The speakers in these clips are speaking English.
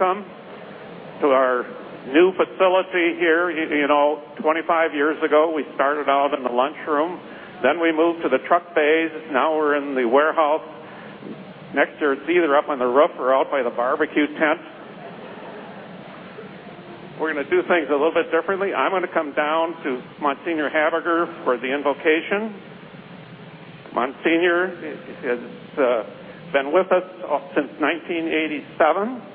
Welcome to our new facility here. You know, 25 years ago, we started out in the lunchroom, then we moved to the truck bays. Now we're in the warehouse. Next year, it's either up on the roof or out by the barbecue tent. We're going to do things a little bit differently. I'm going to come down to Monsignor Habiger for the invocation. Monsignor has been with us since 1987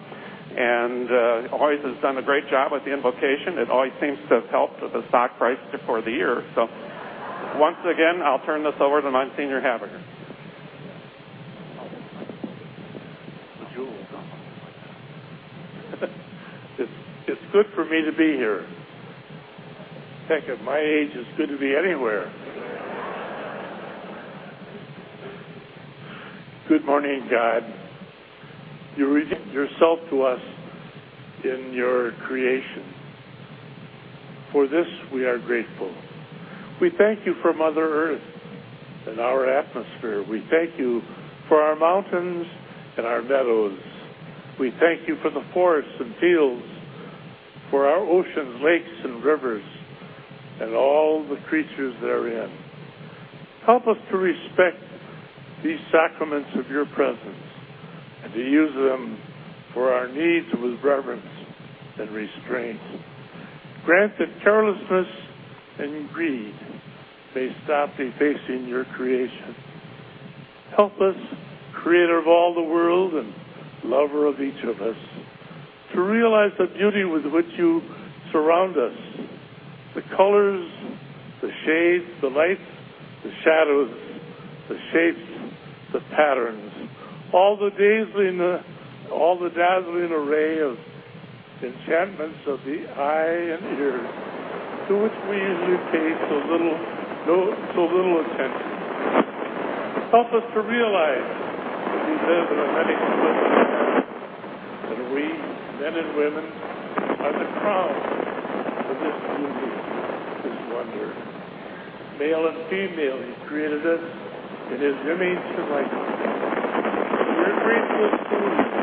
and always has done a great job with the invocation. It always seems to have helped with the stock price for the year. Once again, I'll turn this over to Monsignor Habiger. It's good for me to be here. I think at my age, it's good to be anywhere. Good morning, God. You redeemed yourself to us in your creation. For this, we are grateful. We thank you for Mother Earth and our atmosphere. We thank you for our mountains and our meadows. We thank you for the forests and fields, for our oceans, lakes, and rivers, and all the creatures therein. Help us to respect these sacraments of your presence and to use them for our needs with reverence and restraint. Grant that carelessness and greed may stop me facing your creation. Help us, creator of all the world and lover of each of us, to realize the beauty with which you surround us: the colors, the shades, the lights, the shadows, the shapes, the patterns, all the dazzling array of enchantments of the eye and ear to which we usually take a little note and a little attention. Help us to realize that we men and women are the crown of this wonder. Male and female, you created us in this image of life. We are grateful to you.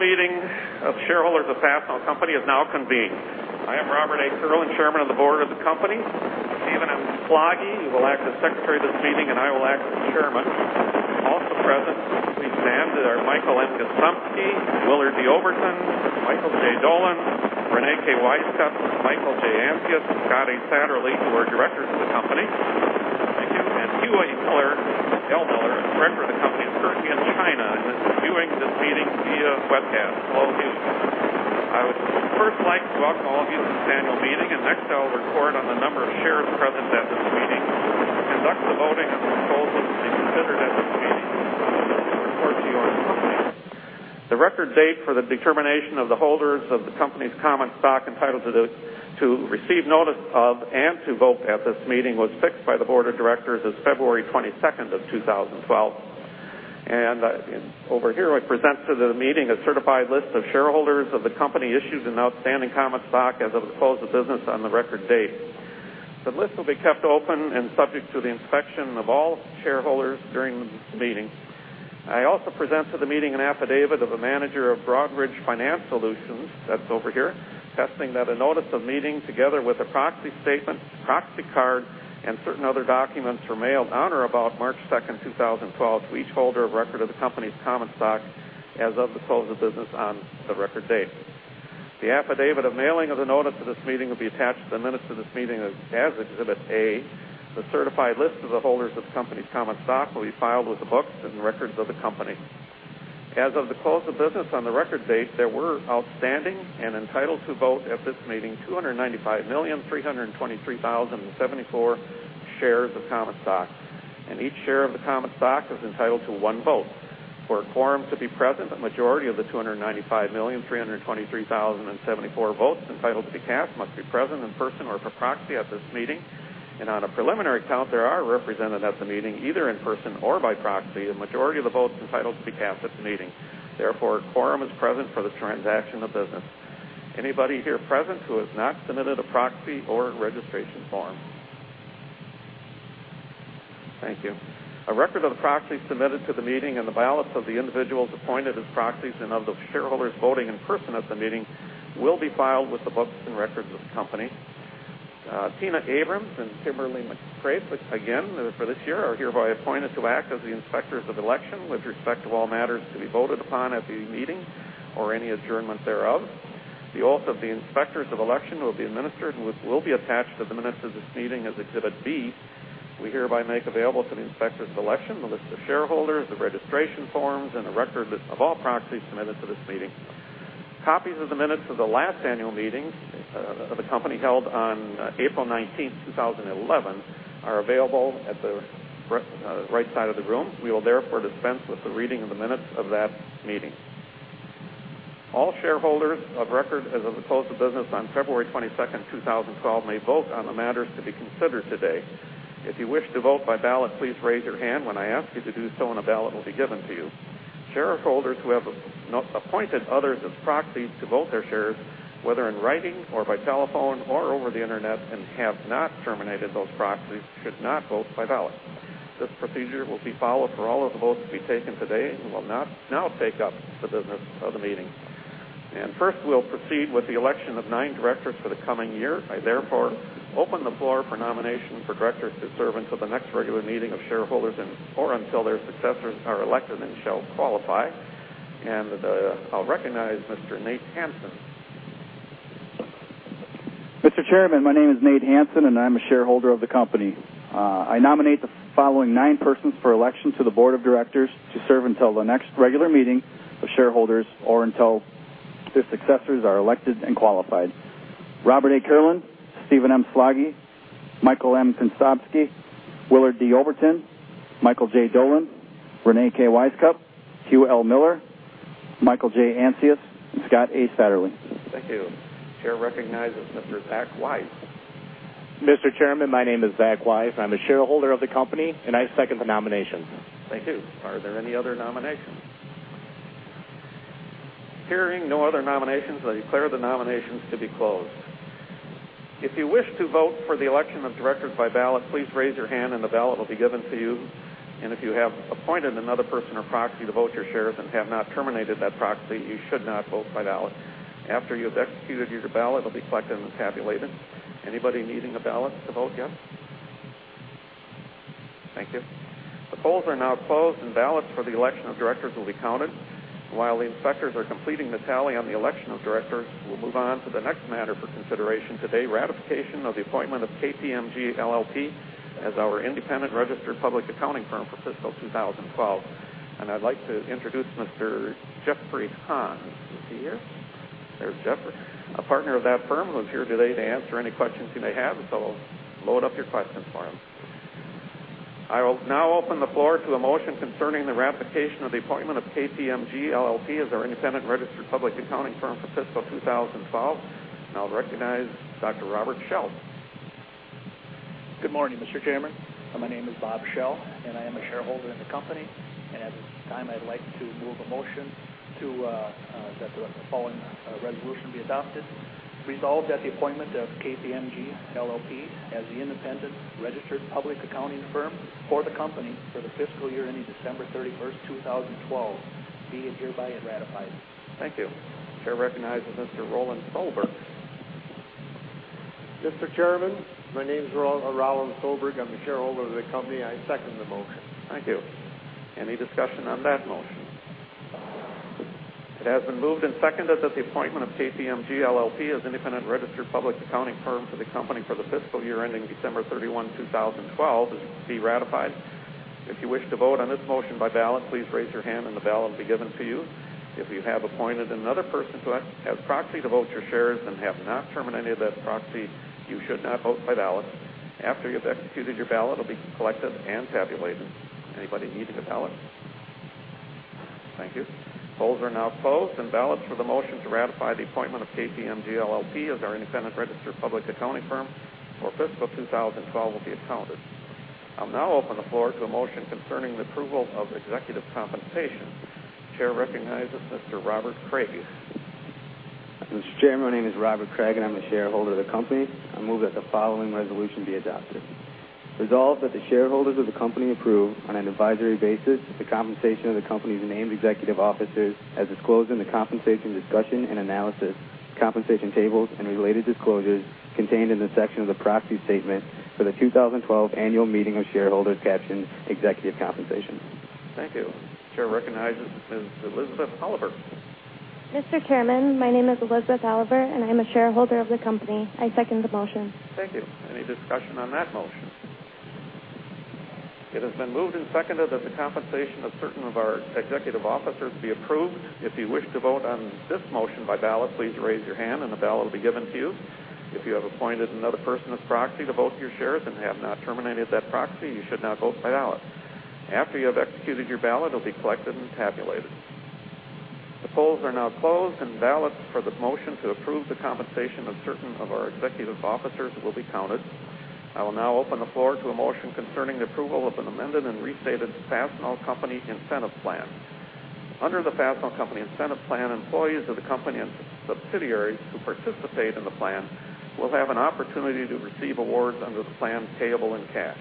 The annual meeting of shareholders of Fastenal Company is now convened. I am Robert A. Kierlin, Chairman of the Board of the company. Stephen M. Slaggie, who will act as Secretary at this meeting, and I will act as Chairman. Also present, we stand, are Michael M. Gostomski, Willard D. Oberton, Michael J. Dolan, Reyne K. Wisecup, Michael J. Ancius, and Scott A. Satterlee, who are directors of the company. Thank you. And Hugh L. Miller, a friend of the company. He is currently in China and is viewing this meeting via webcast. Hello, Hugh. I would first like to welcome all of you to this annual meeting, and next, I'll record on the number of shares present at this meeting to conduct the voting of the proposals to be considered at this meeting and report to you on the company. The record date for the determination of the holders of the company's common stock entitled to receive notice of and to vote at this meeting was fixed by the Board of Directors as February 22nd, 2012. Over here, I present to the meeting a certified list of shareholders of the company issued and outstanding common stock as of the close of business on the record date. The list will be kept open and subject to the inspection of all shareholders during the meeting. I also present to the meeting an affidavit of a manager of Broadridge Financial Solutions, that's over here, attesting that a notice of meeting together with a proxy statement, proxy card, and certain other documents were mailed on or about March 2nd, 2012, to each holder of record of the company's common stock as of the close of business on the record date. The affidavit of mailing of the notice of this meeting will be attached to the minutes of this meeting as Exhibit A. The certified list of the holders of the company's common stock will be filed with the books and records of the company. As of the close of business on the record date, there were outstanding and entitled to vote at this meeting 295,323,074 shares of common stock. Each share of the common stock is entitled to one vote. For a quorum to be present, a majority of the 295,323,074 votes entitled to be cast must be present in person or by proxy at this meeting. On a preliminary count, there are represented at the meeting either in person or by proxy, a majority of the votes entitled to be cast at the meeting. Therefore, a quorum is present for this transaction of business. Anybody here present who has not submitted a proxy or registration form? Thank you. A record of the proxy submitted to the meeting and the ballots of the individuals appointed as proxies and of the shareholders voting in person at the meeting will be filed with the books and records of this company. Tina Abrams and Kimberly McCrate, again, for this year, are hereby appointed to act as the Inspectors of Election with respect to all matters to be voted upon at the meeting or any adjournment thereof. The oath of the Inspectors of Election will be administered and will be attached to the minutes of this meeting as Exhibit B. We hereby make available to the Inspectors of Election the list of shareholders, the registration forms, and a record of all proxies submitted to this meeting. Copies of the minutes of the last annual meeting of the company held on April 19th, 2011, are available at the right side of the room. We will therefore dispense with the reading of the minutes of that meeting. All shareholders of record as of the close of business on February 22nd, 2012, may vote on the matters to be considered today. If you wish to vote by ballot, please raise your hand when I ask you to do so, and a ballot will be given to you. Shareholders who have appointed others as proxy to vote their shares, whether in writing or by telephone or over the internet, and have not terminated those proxies, should not vote by ballot. This procedure will be followed for all of the votes to be taken today and will now take up the business of the meeting. First, we'll proceed with the election of nine directors for the coming year. I therefore open the floor for nomination for directors to serve until the next regular meeting of shareholders or until their successors are elected and shall qualify. I'll recognize Mr. Nate Hansen. Mr. Chairman, my name is Nate Hansen, and I'm a shareholder of the company. I nominate the following nine persons for election to the board of directors to serve until the next regular meeting of shareholders or until their successors are elected and qualified: Robert A. Kierlin, Stephen M. Slaggie, Michael M. Gostomski, Willard D. Oberton, Michael J. Dolan, Reyne K. Wisecup, Hugh L. Miller, Michael J. Ancius, and Scott A. Satterlee. Thank you. Chair recognizes Mr. Zach Weiss. Mr. Chairman, my name is Zach Weiss. I'm a shareholder of the company, and I second the nominations. Thank you. Are there any other nominations? Hearing no other nominations, I declare the nominations to be closed. If you wish to vote for the election of directors by ballot, please raise your hand, and a ballot will be given to you. If you have appointed another person or proxy to vote your shares and have not terminated that proxy, you should not vote by ballot. After you've executed your ballot, it'll be collected and tabulated. Anybody needing a ballot to vote again? Thank you. The polls are now closed, and ballots for the election of directors will be counted. While the inspectors are completing the tally on the election of directors, we'll move on to the next matter for consideration today, ratification of the appointment of KPMG LLP as our independent registered public accounting firm for fiscal 2012. I'd like to introduce Mr. Jeffrey Hahn. Is he here? There's Jeffrey, a partner of that firm who's here today to answer any questions you may have. Load up your questions for him. I will now open the floor to a motion concerning the ratification of the appointment of KPMG LLP as our independent registered public accounting firm for fiscal 2012. I'll recognize Dr. Robert Schell. Good morning, Mr. Chairman. My name is Bob Schell, and I am a shareholder of the company. At this time, I'd like to move a motion that the following resolution be adopted: Resolved, that the appointment of KPMG LLP as the independent registered public accounting firm for the company for the fiscal year ending December 31st, 2012, be and is hereby ratified. Thank you. Chair recognizes Mr. Roland Solberg. Mr. Chairman, my name is Roland Solberg. I'm a shareholder of the company. I second the motion. Thank you. Any discussion on that motion? It has been moved and seconded that the appointment of KPMG LLP as an independent registered public accounting firm for the company for the fiscal year ending December 31, 2012, be ratified. If you wish to vote on this motion by ballot, please raise your hand, and the ballot will be given to you. If you have appointed another person to have proxy to vote your shares and have not terminated that proxy, you should not vote by ballot. After you've executed your ballot, it'll be collected and tabulated. Anybody needing a ballot? Thank you. Polls are now closed, and ballots for the motion to ratify the appointment of KPMG LLP as our independent registered public accounting firm for fiscal 2012 will be counted. I'll now open the floor to a motion concerning the approval of executive compensation. Chair recognizes Mr. Robert Craig. Mr. Chairman, my name is Robert Craig, and I'm the shareholder of the company. I move that the following resolution be adopted. Resolved that the shareholders of the company approve, on an advisory basis, the compensation of the company's named executive officers as disclosed in the compensation discussion and analysis, compensation tables, and related disclosures contained in the section of the proxy statement for the 2012 annual meeting of shareholders captioned executive compensation. Thank you. Chair recognizes Ms. Elizabeth Oliver. Mr. Chairman, my name is Elizabeth Oliver, and I'm a shareholder of the company. I second the motion. Thank you. Any discussion on that motion? It has been moved and seconded that the compensation of certain of our executive officers be approved. If you wish to vote on this motion by ballot, please raise your hand, and the ballot will be given to you. If you have appointed another person as proxy to vote your shares and have not terminated that proxy, you should not vote by ballot. After you have executed your ballot, it'll be collected and tabulated. The polls are now closed, and ballots for the motion to approve the compensation of certain of our executive officers will be counted. I will now open the floor to a motion concerning the approval of an amended and restated Fastenal Company Incentive Plan. Under the Fastenal Company Incentive Plan, employees of the company and subsidiaries who participate in the plan will have an opportunity to receive awards under the plan payable in cash.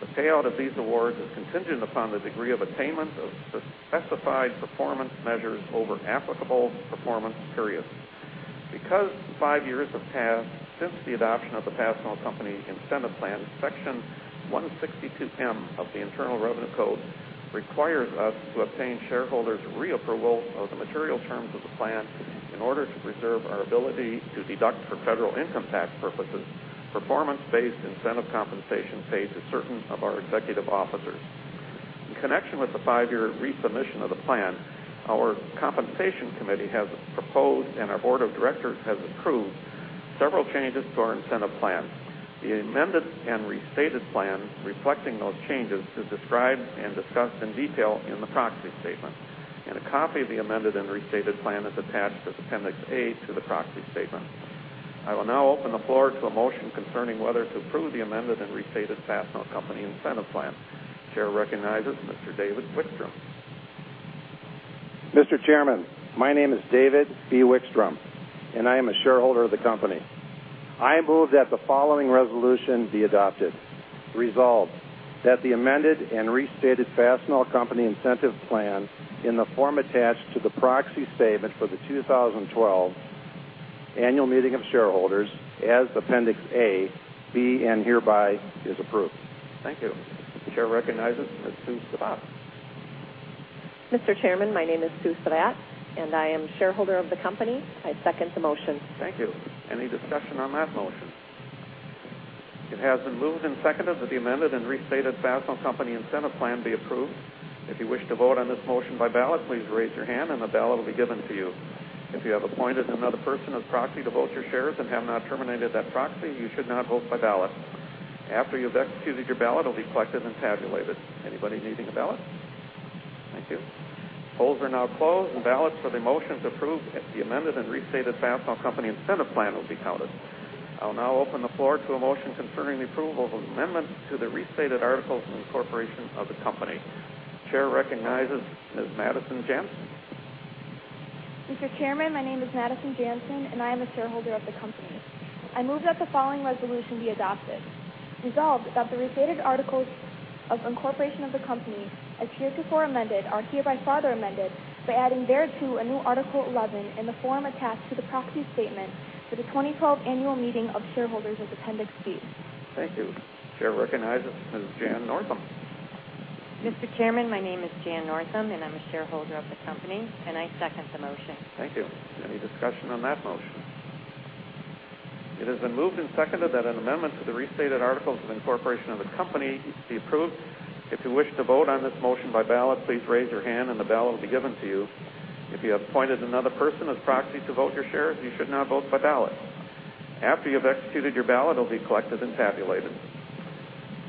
The payout of these awards is contingent upon the degree of attainment of specified performance measures over an applicable performance period. Because five years have passed since the adoption of the Fastenal Company Incentive Plan, Section 162(k) of the Internal Revenue Code requires us to obtain shareholders' reapproval of the material terms of the plan in order to preserve our ability to deduct for federal income tax purposes performance-based incentive compensation pay to certain of our executive officers. In connection with the five-year refinishing of the plan, our compensation committee has proposed and our board of directors has approved several changes to our incentive plan. The amended and restated plan reflecting those changes is described and discussed in detail in the proxy statement. A copy of the amended and restated plan is attached as Appendix A to the proxy statement. I will now open the floor to a motion concerning whether to approve the amended and restated Fastenal Company Incentive Plan. Chair recognizes Mr. David Wickstrom. Mr. Chairman, my name is David B. Wickstrom, and I am a shareholder of the company. I move that the following resolution be adopted. Resolved that the amended and restated Fastenal Company Incentive Plan in the form attached to the proxy statement for the 2012 annual meeting of shareholders as Appendix A, B, and hereby is approved. Thank you. Chair recognizes Ms. Sue Stratt. Mr. Chairman, my name is Sue Stratt, and I am a shareholder of the company. I second the motion. Thank you. Any discussion on that motion? It has been moved and seconded that the amended and restated Fastenal Company Incentive Plan be approved. If you wish to vote on this motion by ballot, please raise your hand, and the ballot will be given to you. If you have appointed another person as proxy to vote your shares and have not terminated that proxy, you should not vote by ballot. After you've executed your ballot, it'll be collected and tabulated. Anybody needing a ballot? Thank you. Polls are now closed, and ballots for the motion to approve the amended and restated Fastenal Company Incentive Plan will be counted. I'll now open the floor to a motion concerning the approval of amendments to the restated articles of incorporation of the company. Chair recognizes Ms. Madison Jansen. Mr. Chairman, my name is Madison Jansen, and I am a shareholder of the company. I move that the following resolution be adopted. Resolved that the restated articles of incorporation of the company as heretofore amended are hereby further amended by adding thereto a new Article 11 in the form attached to the proxy statement for the 2012 annual meeting of shareholders as Appendix B. Thank you. Chair recognizes Ms. Jan Northam. Mr. Chairman, my name is Jan Northam, and I'm a shareholder of the company, and I second the motion. Thank you. Any discussion on that motion? It has been moved and seconded that an amendment to the restated articles of incorporation of the company be approved. If you wish to vote on this motion by ballot, please raise your hand, and the ballot will be given to you. If you have appointed another person as proxy to vote your shares, you should not vote by ballot. After you've executed your ballot, it'll be collected and tabulated.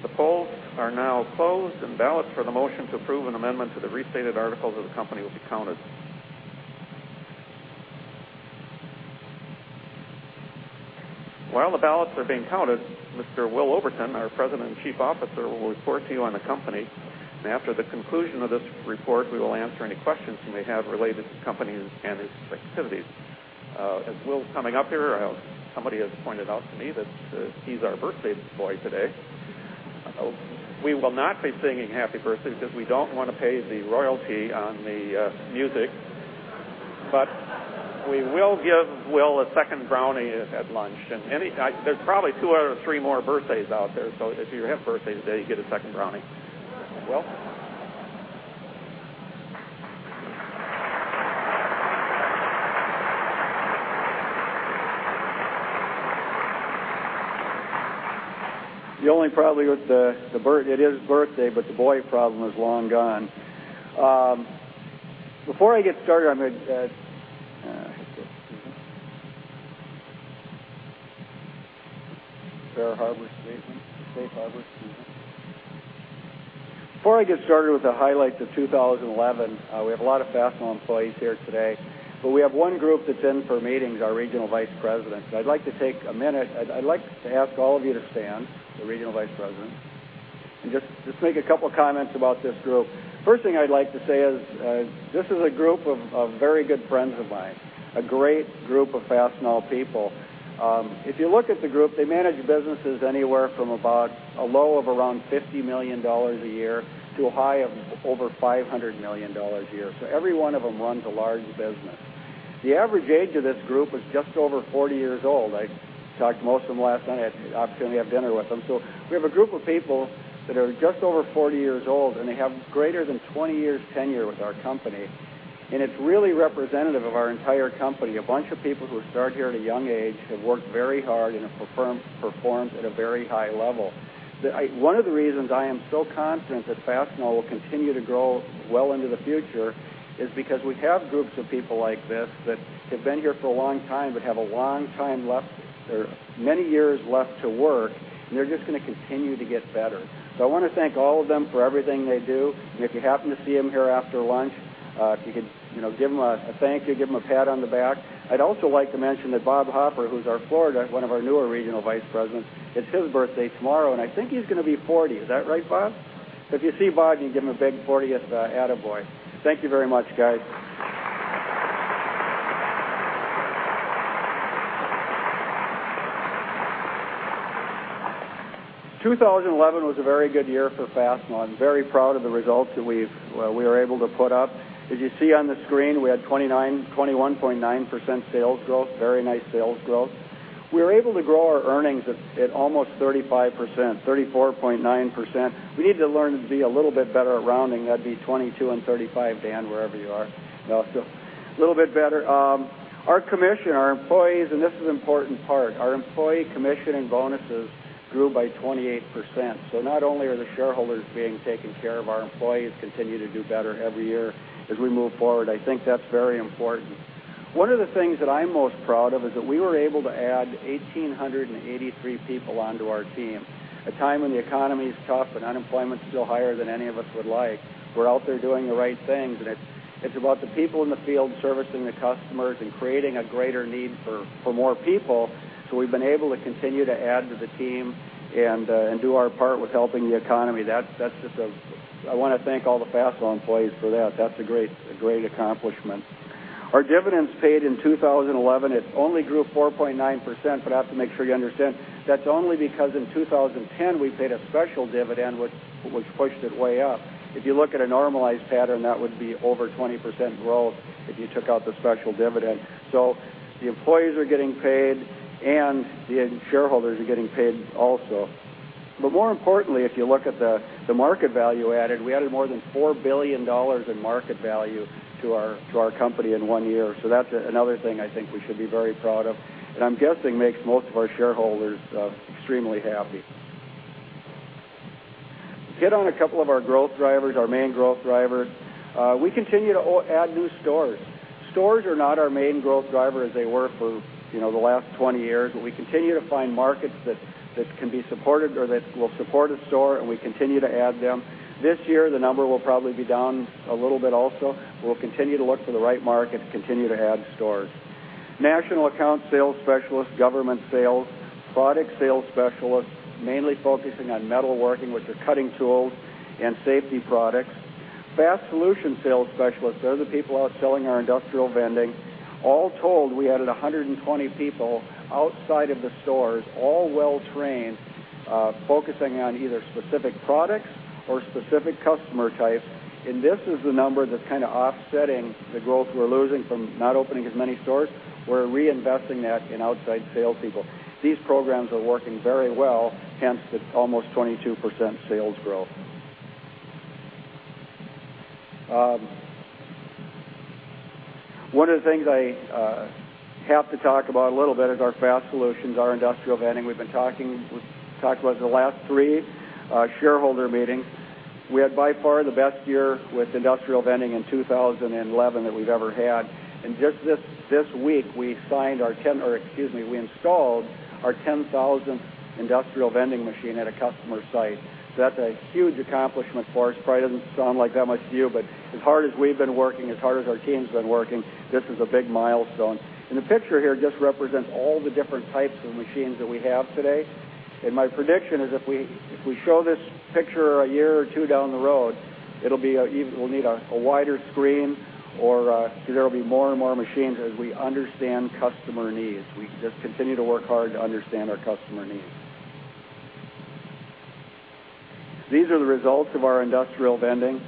The polls are now closed, and ballots for the motion to approve an amendment to the restated articles of the company will be counted. While the ballots are being counted, Mr. Will Oberton, our President and Chief Officer, will report to you on the company. After the conclusion of this report, we will answer any questions you may have related to the company and its activities. As Will is coming up here, somebody has pointed out to me that he's our birthday boy today. We will not be singing "Happy Birthday" because we don't want to pay the royalty on the music. We will give Will a second brownie at lunch. There are probably two or three more birthdays out there, so if you have birthdays today, you get a second brownie. Will? The only problem with the birthday is birthday, but the boy problem is long gone. Before I get started with the highlight of 2011, we have a lot of Fastenal employees here today. We have one group that's in for meetings, our Regional Vice President. I'd like to take a minute. I'd like to ask all of you to stand, the Regional Vice President, and just make a couple of comments about this group. First thing I'd like to say is this is a group of very good friends of mine, a great group of Fastenal people. If you look at the group, they manage businesses anywhere from about a low of around $50 million a year to a high of over $500 million a year. Every one of them runs a large business. The average age of this group is just over 40 years old. I talked to most of them last night. I had the opportunity to have dinner with them. We have a group of people that are just over 40 years old, and they have greater than 20 years' tenure with our company. It's really representative of our entire company. A bunch of people who start here at a young age have worked very hard and have performed at a very high level. One of the reasons I am so confident that Fastenal will continue to grow well into the future is because we have groups of people like this that have been here for a long time but have a long time left, or many years left to work, and they're just going to continue to get better. I want to thank all of them for everything they do. If you happen to see them here after lunch, if you can give them a thank you, give them a pat on the back. I'd also like to mention that Bob Hopper, who's our Florida, one of our newer Regional Vice Presidents, it's his birthday tomorrow, and I think he's going to be 40. Is that right, Bob? If you see Bob, you can give him a big 40th attaboy. Thank you very much, guys. 2011 was a very good year for Fastenal. I'm very proud of the results that we were able to put up. As you see on the screen, we had 21.9% sales growth, very nice sales growth. We were able to grow our earnings at almost 35%, 34.9%. We need to learn to be a little bit better at rounding. That'd be 22% and 35%, Dan, wherever you are. No, a little bit better. Our commission, our employees, and this is an important part, our employee commission and bonuses grew by 28%. Not only are the shareholders being taken care of, our employees continue to do better every year as we move forward. I think that's very important. One of the things that I'm most proud of is that we were able to add 1,883 people onto our team. At a time when the economy is tough and unemployment is still higher than any of us would like, we're out there doing the right things. It's about the people in the field servicing the customers and creating a greater need for more people. We've been able to continue to add to the team and do our part with helping the economy. I want to thank all the Fastenal employees for that. That's a great accomplishment. Our dividends paid in 2011 only grew 4.9%, but I have to make sure you understand that's only because in 2010 we paid a special dividend, which pushed it way up. If you look at a normalized pattern, that would be over 20% growth if you took out the special dividend. The employees are getting paid and the shareholders are getting paid also. More importantly, if you look at the market value added, we added more than $4 billion in market value to our company in one year. That's another thing I think we should be very proud of. I'm guessing that makes most of our shareholders extremely happy. Hit on a couple of our growth drivers, our main growth driver. We continue to add new stores. Stores are not our main growth driver as they were for the last 20 years, but we continue to find markets that can be supported or that will support a store, and we continue to add them. This year, the number will probably be down a little bit also. We'll continue to look for the right markets, continue to add stores. National Account Sales Specialists, Government Sales, Product Sales Specialists, mainly focusing on metalworking with their cutting tools and safety products. FAST Solutions Sales Specialists, they're the people out selling our industrial vending. All told, we added 120 people outside of the stores, all well-trained, focusing on either specific products or specific customer types. This is the number that's kind of offsetting the growth we're losing from not opening as many stores. We're reinvesting that in outside salespeople. These programs are working very well, hence the almost 22% sales growth. One of the things I have to talk about a little bit is our FAST Solutions, our industrial vending. We've been talking about the last three shareholder meetings. We had by far the best year with industrial vending in 2011 that we've ever had. Just this week, we installed our 10,000 industrial vending machine at a customer site. That's a huge accomplishment for us. Probably doesn't sound like that much to you, but as hard as we've been working, as hard as our team's been working, this is a big milestone. The picture here just represents all the different types of machines that we have today. My prediction is if we show this picture a year or two down the road, we'll need a wider screen because there'll be more and more machines as we understand customer needs. We just continue to work hard to understand our customer needs. These are the results of our industrial vending.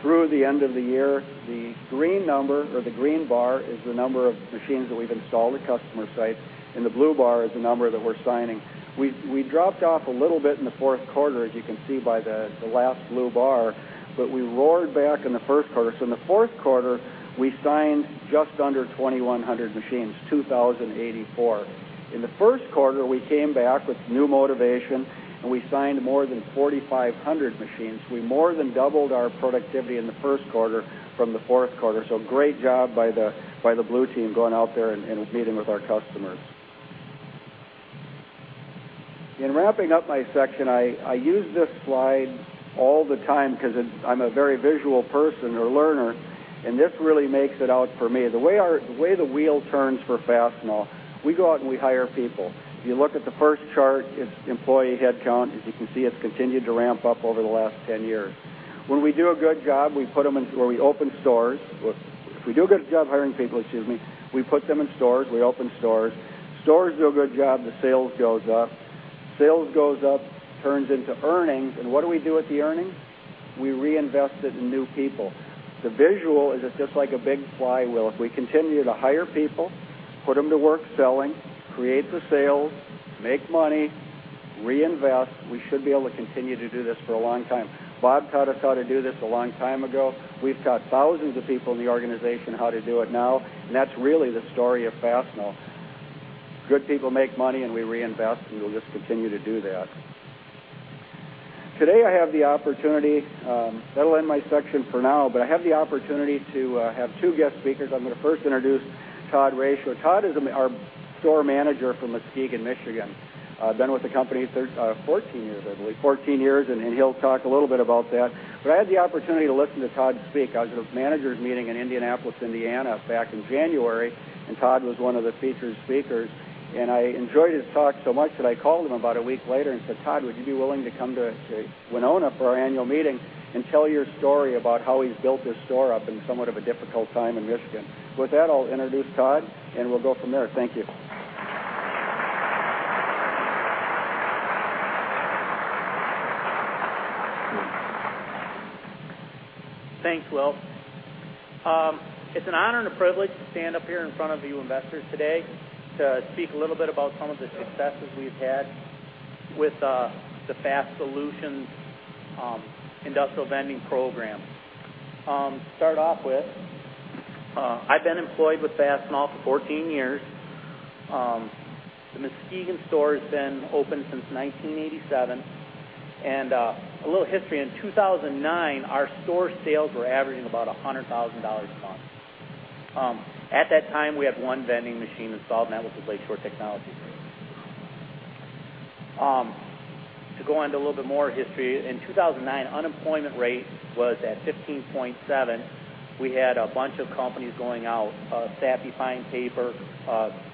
Through the end of the year, the green number or the green bar is the number of machines that we've installed at customer sites, and the blue bar is the number that we're signing. We dropped off a little bit in the fourth quarter, as you can see by the last blue bar, but we roared back in the first quarter. In the fourth quarter, we signed just under 2,100 machines, 2,084. In the first quarter, we came back with new motivation, and we signed more than 4,500 machines. We more than doubled our productivity in the first quarter from the fourth quarter. Great job by the blue team going out there and meeting with our customers. In wrapping up my section, I use this slide all the time because I'm a very visual person or learner, and this really makes it out for me. The way the wheel turns for Fastenal, we go out and we hire people. If you look at the first chart, it's employee headcount. As you can see, it's continued to ramp up over the last 10 years. When we do a good job, we put them in, or we open stores. If we do a good job hiring people, we put them in stores, we open stores. Stores do a good job, the sales goes up. Sales goes up, turns into earnings, and what do we do with the earnings? We reinvest it in new people. The visual is just like a big flywheel. If we continue to hire people, put them to work selling, create the sales, make money, reinvest, we should be able to continue to do this for a long time. Bob taught us how to do this a long time ago. We've taught thousands of people in the organization how to do it now, and that's really the story of Fastenal. Good people make money, and we reinvest and we'll just continue to do that. Today, I have the opportunity, that'll end my section for now, but I have the opportunity to have two guest speakers. I'm going to first introduce Todd Ratio. Todd is our Store Manager from Muskegon, Michigan. I've been with the company 14 years, I believe, 14 years, and he'll talk a little bit about that. I had the opportunity to listen to Todd speak. I was at a manager's meeting in Indianapolis, Indiana, back in January, and Todd was one of the featured speakers. I enjoyed his talk so much that I called him about a week later and said, "Todd, would you be willing to come to Winona for our annual meeting and tell your story about how he's built this store up in somewhat of a difficult time in Michigan?" With that, I'll introduce Todd, and we'll go from there. Thank you. Thanks, Will. It's an honor and a privilege to stand up here in front of you investors today to speak a little bit about some of the successes we've had with the FAST Solutions Industrial Vending Program. To start off with, I've been employed with Fastenal for 14 years. The Muskegon store has been open since 1987. A little history, in 2009, our store sales were averaging about $100,000 a month. At that time, we had one vending machine installed, and that was the Lakeshore Technologies Ring. To go into a little bit more history, in 2009, the unemployment rate was at 15.7%. We had a bunch of companies going out, Sappi Fine Paper,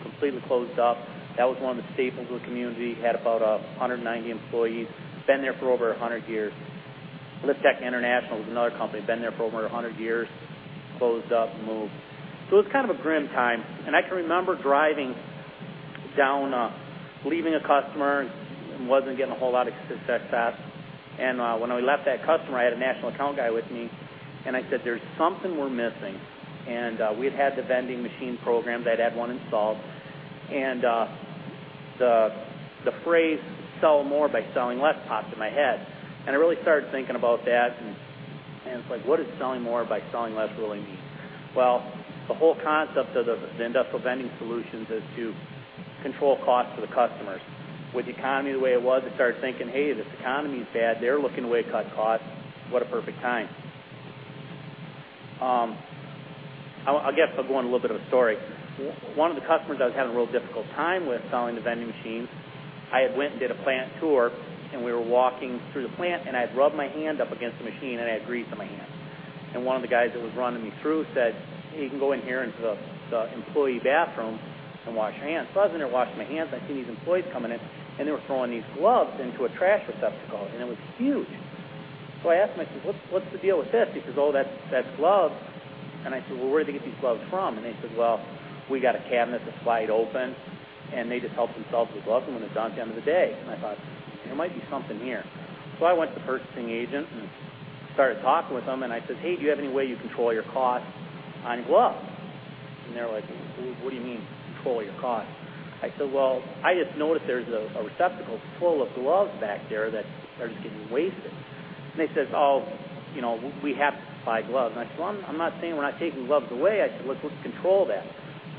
completely closed up. That was one of the staples of the community. It had about 190 employees. It's been there for over 100 years. Lift-Tech International was another company that had been there for over 100 years, closed up, moved. It was kind of a grim time. I can remember driving down, leaving a customer, and wasn't getting a whole lot of success. When I left that customer, I had a national account guy with me, and I said, "There's something we're missing." We had had the vending machine program. They had had one installed. The phrase "sell more by selling less" popped in my head. I really started thinking about that. It's like, what does selling more by selling less really mean? The whole concept of the industrial vending solutions is to control costs to the customers. With the economy the way it was, I started thinking, "Hey, this economy is bad. They're looking to way cut costs. What a perfect time." I guess I'll go on a little bit of a story. One of the customers I was having a real difficult time with selling the vending machines, I had went and did a plant tour, and we were walking through the plant, and I had rubbed my hand up against the machine, and I had grease on my hands. One of the guys that was running me through said, "You can go in here into the employee bathroom and wash your hands." I was in there washing my hands, and I saw these employees coming in, and they were throwing these gloves into a trash receptacle, and it was huge. I asked them, I said, "What's the deal with this?" He says, "Oh, that's gloves." I said, "Where did they get these gloves from?" They said, "We got a cabinet that's wide open, and they just help themselves with gloves when they're done at the end of the day." I thought, "There might be something here." I went to the first thing agent and started talking with them, and I said, "Hey, do you have any way you control your cost on gloves?" They're like, "What do you mean control your cost?" I said, "I just noticed there's a receptacle full of gloves back there that are just getting wasted." They said, "Oh, you know, we have to buy gloves." I said, "I'm not saying we're not taking gloves away." I said, "Let's control that."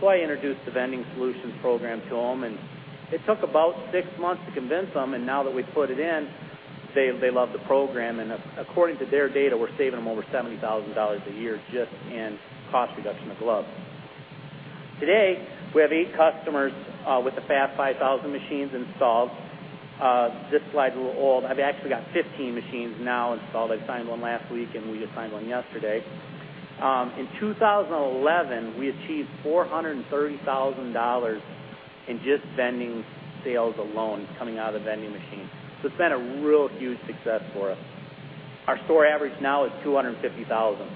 I introduced the vending solutions program to them, and it took about six months to convince them. Now that we put it in, they say they love the program, and according to their data, we're saving them over $70,000 a year just in cost reduction of gloves. Today, we have eight customers with the FAST 5000 machines installed. This slide's a little old. I've actually got 15 machines now installed. I signed one last week, and we just signed one yesterday. In 2011, we achieved $430,000 in just vending sales alone coming out of the vending machine. It's been a real huge success for us. Our store average now is $250,000.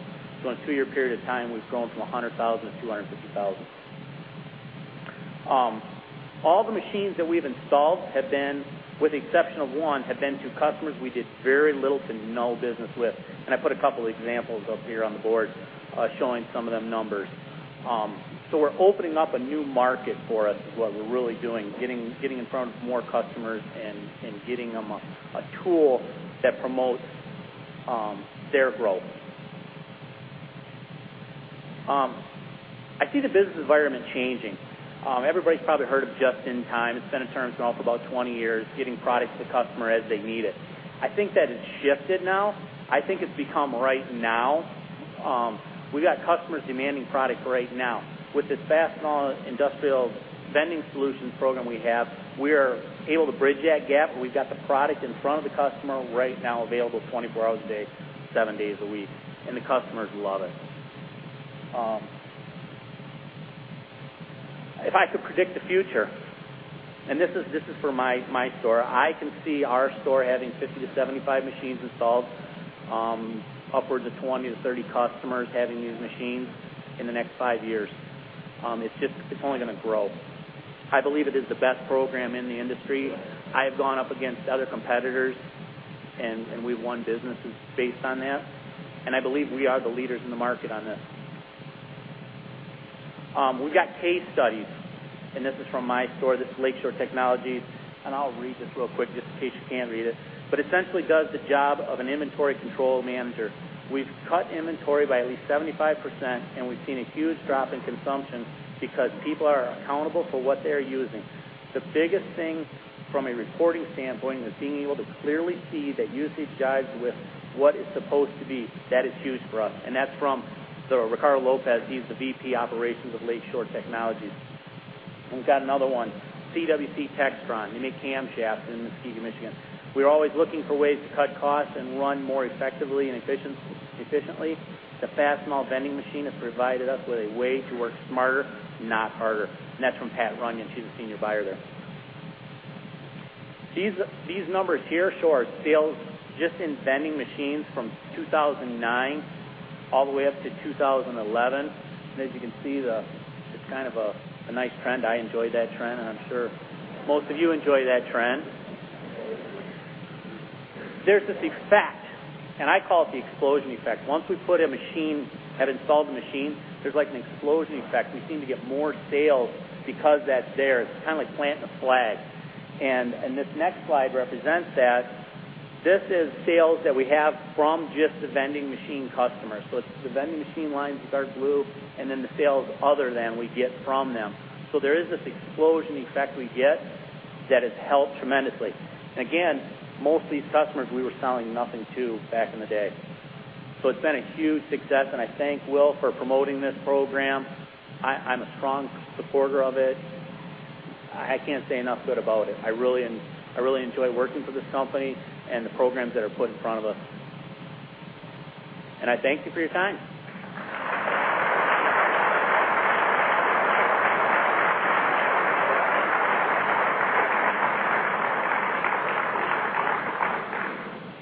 In a two-year period of time, we've grown from $100,000 to $250,000. All the machines that we've installed have been, with the exception of one, to customers we did very little to no business with. I put a couple of examples up here on the board showing some of those numbers. We're opening up a new market for us, getting in front of more customers and getting them a tool that promotes their growth. I see the business environment changing. Everybody's probably heard of Just In Time. It's been a term that's been out for about 20 years, getting products to customers as they need it. I think that has shifted now. I think it's become right now. We got customers demanding products right now. With this Fastenal industrial vending solutions program we have, we are able to bridge that gap. We've got the product in front of the customer right now available 24 hours a day, seven days a week, and the customers love it. If I could predict the future, and this is for my store, I can see our store having 50-75 machines installed, upwards of 20-30 customers having these machines in the next five years. It's just, it's only going to grow. I believe it is the best program in the industry. I have gone up against other competitors, and we've won businesses based on that. I believe we are the leaders in the market on that. We've got case studies, and this is from my store, this is Lakeshore Technologies. I'll read this real quick just in case you can't read it. It essentially does the job of an inventory control manager. We've cut inventory by at least 75%, and we've seen a huge drop in consumption because people are accountable for what they're using. The biggest thing from a reporting standpoint is being able to clearly see that usage jibes with what is supposed to be. That is huge for us. That's from Ricardo Lopez. He's the VP of Operations of Lakeshore Technologies. We've got another one, CWC Textron. They make camshafts in Muskegon, Michigan. We're always looking for ways to cut costs and run more effectively and efficiently. The Fastenal vending machine has provided us with a way to work smarter, not harder. That's from Pat Runyon. She's a Senior Buyer there. These numbers here show our sales just in vending machines from 2009 all the way up to 2011. As you can see, it's kind of a nice trend. I enjoy that trend, and I'm sure most of you enjoy that trend. There's this effect, and I call it the explosion effect. Once we put a machine, have installed the machine, there's like an explosion effect. We seem to get more sales because that's there. It's kind of like planting a flag. This next slide represents that. This is sales that we have from just the vending machine customers. It's the vending machine lines that are blue, and then the sales other than we get from them. There is this explosion effect we get that has helped tremendously. Most of these customers we were selling nothing to back in the day. It's been a huge success, and I thank Will for promoting this program. I'm a strong supporter of it. I can't say enough good about it. I really enjoy working for this company and the programs that are put in front of us. I thank you for your time.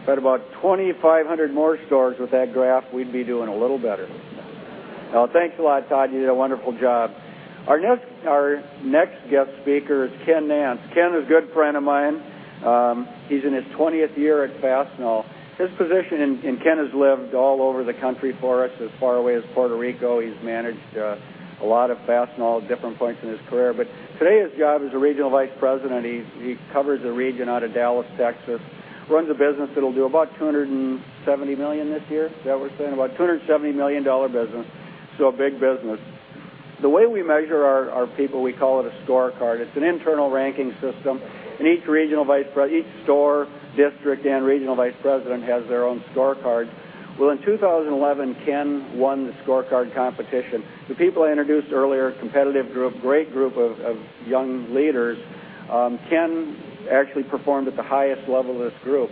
If I had about 2,500 more stores with that graph, we'd be doing a little better. Oh, thanks a lot, Todd. You did a wonderful job. Our next guest speaker is Ken Nance. Ken is a good friend of mine. He's in his 20th year at Fastenal. His position, and Ken has lived all over the country for us, as far away as Puerto Rico. He's managed a lot of Fastenal at different points in his career. Today, his job as a Regional Vice President, he covers a region out of Dallas, Texas, runs a business that'll do about $270 million this year. Is that what we're saying? About $270 million business. A big business. The way we measure our people, we call it a scorecard. It's an internal ranking system. Each Regional Vice President, each store, district, and Regional Vice President has their own scorecards. In 2011, Ken won the scorecard competition. The people I introduced earlier, a competitive group, great group of young leaders, Ken actually performed at the highest level of this group.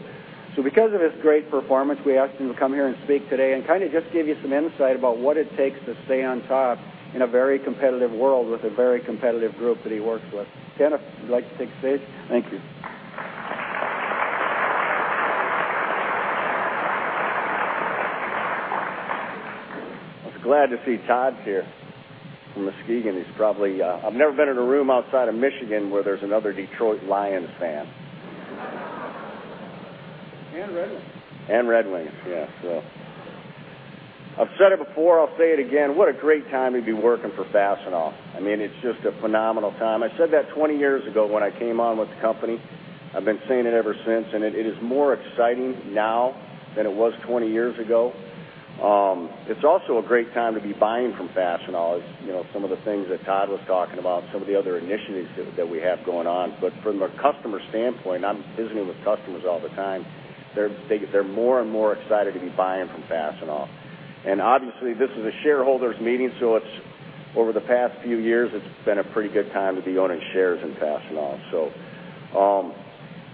Because of his great performance, we asked him to come here and speak today and kind of just give you some insight about what it takes to stay on top in a very competitive world with a very competitive group that he works with. Ken, if you'd like to take the stage. Thank you. I was glad to see Todd's here from Muskegon. He's probably... I've never been in a room outside of Michigan where there's another Detroit Lions fan. Red Wings. Red Wings, yeah. I've said it before. I'll say it again. What a great time to be working for Fastenal. I mean, it's just a phenomenal time. I said that 20 years ago when I came on with the company. I've been saying it ever since, and it is more exciting now than it was 20 years ago. It's also a great time to be buying from Fastenal, as you know, some of the things that Todd was talking about, some of the other initiatives that we have going on. From a customer standpoint, I'm visiting with customers all the time. They're more and more excited to be buying from Fastenal. Obviously, this is a shareholders' meeting. Over the past few years, it's been a pretty good time to be owning shares in Fastenal.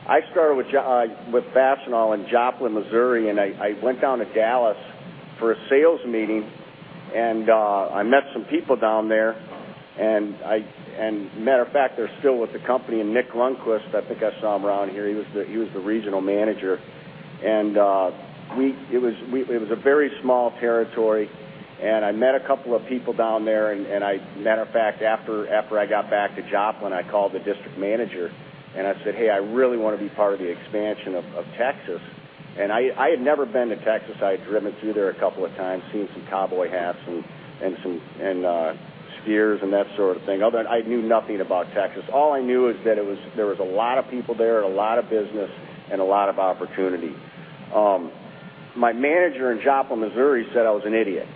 I started with Fastenal in Joplin, Missouri, and I went down to Dallas for a sales meeting, and I met some people down there. Matter of fact, they're still with the company. Nick Lundquist, I think I saw him around here. He was the regional manager. It was a very small territory. I met a couple of people down there. Matter of fact, after I got back to Joplin, I called the district manager, and I said, "Hey, I really want to be part of the expansion of Texas." I had never been to Texas. I had driven through there a couple of times, seen some cowboy hats and some steers and that sort of thing. I knew nothing about Texas. All I knew is that there were a lot of people there, a lot of business, and a lot of opportunity. My manager in Joplin, Missouri, said I was an idiot.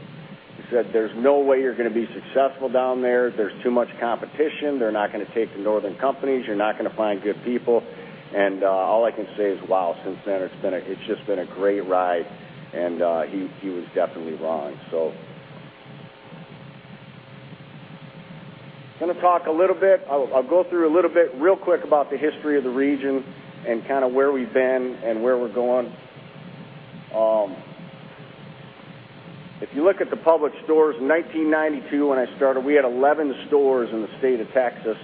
He said, "There's no way you're going to be successful down there. There's too much competition. They're not going to take the northern companies. You're not going to find good people." All I can say is, wow, since then, it's just been a great ride, and he was definitely wrong. I'm going to talk a little bit. I'll go through a little bit real quick about the history of the region and kind of where we've been and where we're going. If you look at the public stores, in 1992, when I started, we had 11 stores in the state of Texas.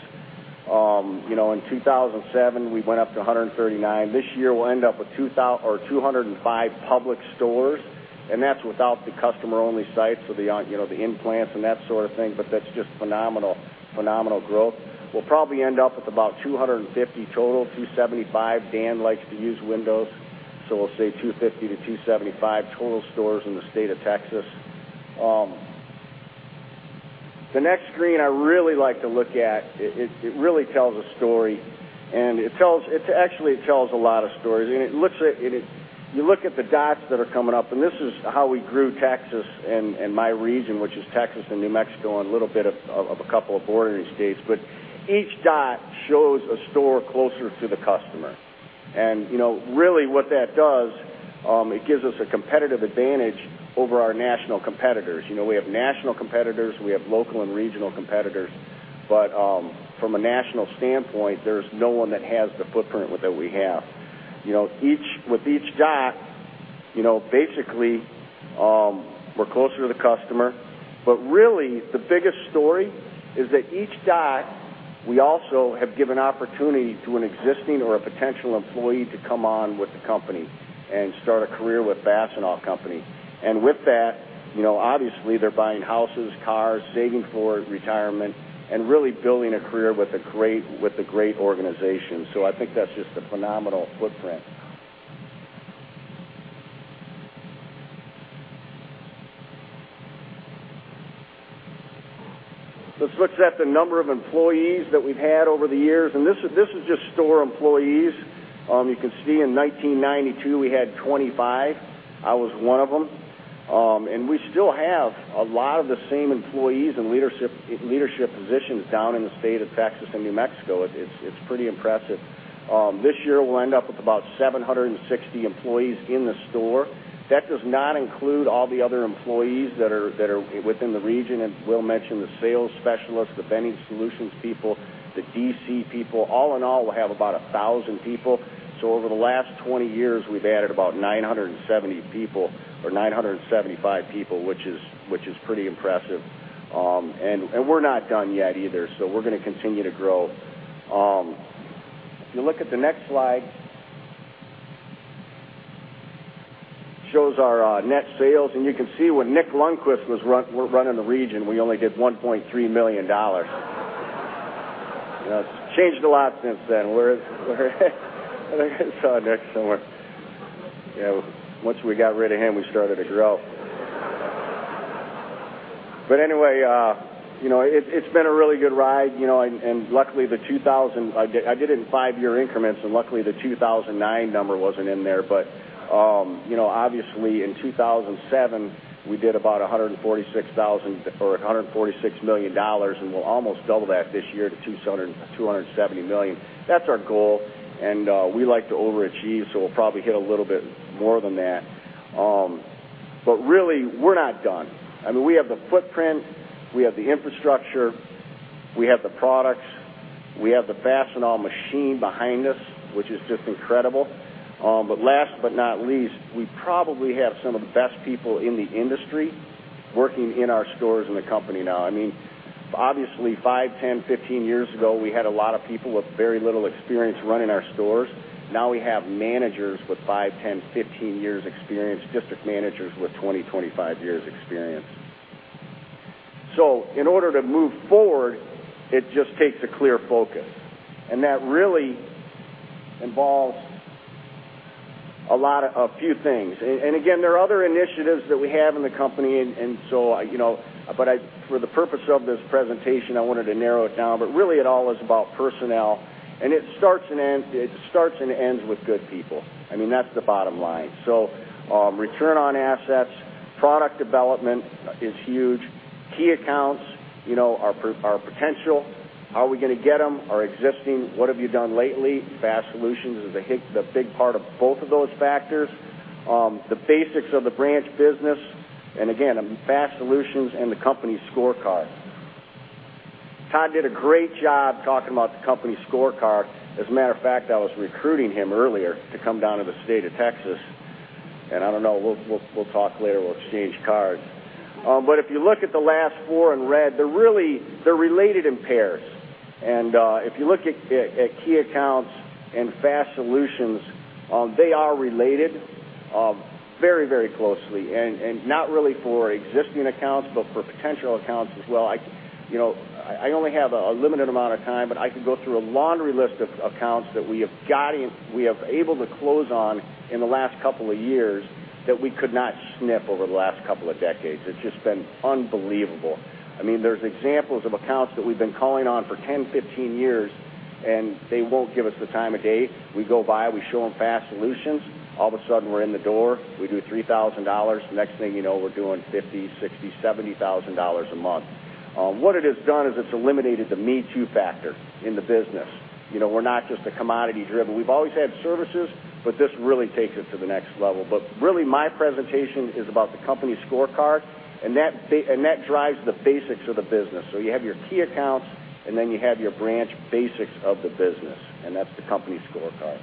In 2007, we went up to 139. This year, we'll end up with 200 or 205 public stores. That's without the customer-only sites, so the, you know, the implants and that sort of thing. That's just phenomenal, phenomenal growth. We'll probably end up with about 250 total, 275. Dan likes to use windows, so we'll say 250-275 total stores in the state of Texas. The next screen I really like to look at, it really tells a story. It actually tells a lot of stories. It looks at, you look at the dots that are coming up. This is how we grew Texas and my region, which is Texas and New Mexico, and a little bit of a couple of border states. Each dot shows a store closer to the customer. Really, what that does, it gives us a competitive advantage over our national competitors. We have national competitors. We have local and regional competitors. From a national standpoint, there's no one that has the footprint that we have. With each dot, basically, we're closer to the customer. Really, the biggest story is that each dot, we also have given opportunity to an existing or a potential employee to come on with the company and start a career with Fastenal Company. With that, obviously, they're buying houses, cars, saving for retirement, and really building a career with a great organization. I think that's just a phenomenal footprint. Let's look at the number of employees that we've had over the years. This is just store employees. You can see in 1992, we had 25. I was one of them. We still have a lot of the same employees in leadership positions down in the state of Texas and New Mexico. It's pretty impressive. This year, we'll end up with about 760 employees in the store. That does not include all the other employees that are within the region. Will mentioned the sales specialists, the vending solutions people, the DC people. All in all, we'll have about 1,000 people. Over the last 20 years, we've added about 970 people or 975 people, which is pretty impressive. We're not done yet either. We're going to continue to grow. You look at the next slide, shows our net sales. You can see when Nick Lundquist was running the region, we only did $1.3 million. It's changed a lot since then. I think I saw Nick somewhere. Yeah, once we got rid of him, we started to grow. Anyway, it's been a really good ride. Luckily, the 2000, I did it in five-year increments, and luckily, the 2009 number wasn't in there. Obviously, in 2007, we did about $146 million, and we'll almost double that this year to $270 million. That's our goal. We like to overachieve, so we'll probably hit a little bit more than that. Really, we're not done. We have the footprint. We have the infrastructure. We have the products. We have the Fastenal machine behind us, which is just incredible. Last but not least, we probably have some of the best people in the industry working in our stores in the company now. Obviously, 5, 10, 15 years ago, we had a lot of people with very little experience running our stores. Now we have managers with 5, 10, 15 years experience, district managers with 20, 25 years experience. In order to move forward, it just takes a clear focus. That really involves a lot of a few things. There are other initiatives that we have in the company. For the purpose of this presentation, I wanted to narrow it down. It all is about personnel. It starts and ends with good people. That's the bottom line. Return on assets, product development is huge. Key accounts are our potential. How are we going to get them? Our existing, what have you done lately? FAST Solutions is a big part of both of those factors. The basics of the branch business. FAST Solutions and the company's scorecard. Todd did a great job talking about the company's scorecard. As a matter of fact, I was recruiting him earlier to come down to the state of Texas. I don't know, we'll talk later. We'll exchange cards. If you look at the last four in red, they're really related in pairs. If you look at key accounts and Fast Solutions, they are related very, very closely. Not really for existing accounts, but for potential accounts as well. I only have a limited amount of time, but I could go through a laundry list of accounts that we have got in, we have been able to close on in the last couple of years that we could not snip over the last couple of decades. It's just been unbelievable. There are examples of accounts that we've been calling on for 10, 15 years, and they won't give us the time of day. We go by, we show them FAST Solutions. All of a sudden, we're in the door. We do $3,000. The next thing you know, we're doing $50,000, $60,000, $70,000 a month. What it has done is it's eliminated the me-too factor in the business. We're not just a commodity-driven. We've always had services, but this really takes it to the next level. My presentation is about the company's scorecard, and that drives the basics of the business. You have your key accounts, and then you have your branch basics of the business, and that's the company's scorecard.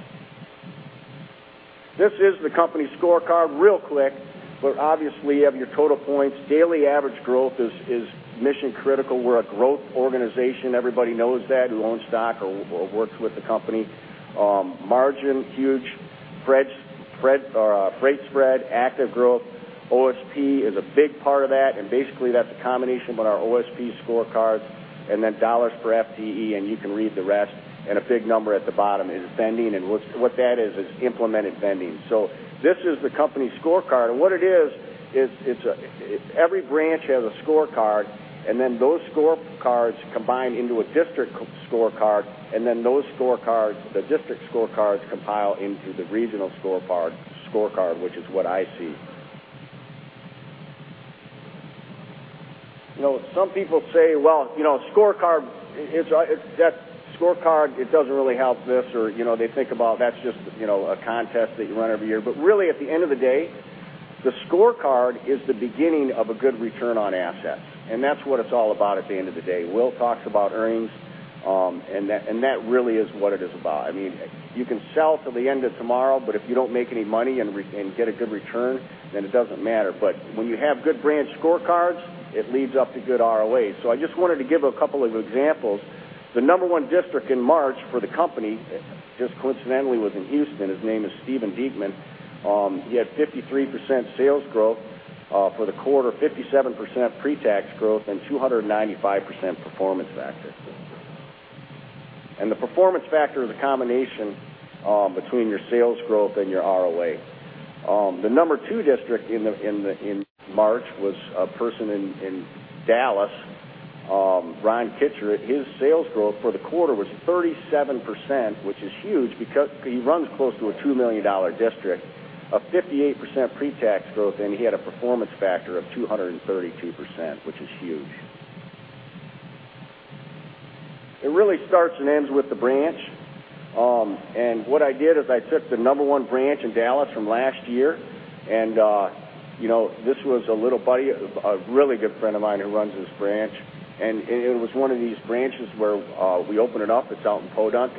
This is the company's scorecard real quick. Obviously, you have your total points. Daily average growth is mission-critical. We're a growth organization. Everybody knows that, who owns stock or works with the company. Margin, huge. Freight spread, active growth. OSP is a big part of that. Basically, that's a combination of our OSP scorecards and then dollars per FTE, and you can read the rest. A big number at the bottom is vending, and what that is is implemented vending. This is the company's scorecard. What it is, is every branch has a scorecard, and then those scorecards combine into a district scorecard, and then those scorecards, the district scorecards, compile into the regional scorecard, which is what I see. Some people say, "You know, scorecard, it's that scorecard, it doesn't really help this," or they think about that's just a contest that you run every year. Really, at the end of the day, the scorecard is the beginning of a good return on asset. That's what it's all about at the end of the day. Will talks about earnings, and that really is what it is about. I mean, you can sell till the end of tomorrow, but if you don't make any money and get a good return, then it doesn't matter. When you have good branch scorecards, it leads up to good ROAs. I just wanted to give a couple of examples. The number one district in March for the company, just coincidentally, was in Houston. His name is Steve Diekman. He had 53% sales growth for the quarter, 57% pre-tax growth, and 295% performance factor. The performance factor is a combination between your sales growth and your ROA. The number two district in March was a person in Dallas, Ron Kitcher. His sales growth for the quarter was 37%, which is huge because he runs close to a $2 million district, a 58% pre-tax growth, and he had a performance factor of 232%, which is huge. It really starts and ends with the branch. What I did is I took the number one branch in Dallas from last year. This was a little buddy, a really good friend of mine who runs this branch. It was one of these branches where we opened it up. It's out in Podunk.